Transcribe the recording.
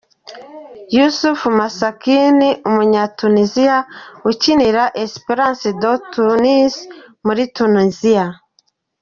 Youssef Msakni, umunyatuniziya ukinira Esperance de Tunis muri Tuniziya.